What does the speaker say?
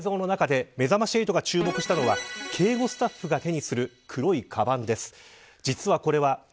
その映像の中でめざまし８が注目したのは警護スタッフが手にする黒いカバンです。